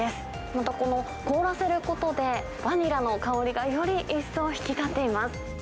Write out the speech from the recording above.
またこの凍らせることで、バニラの香りがより一層引き立っています。